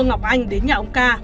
ngọc anh đến nhà ông ca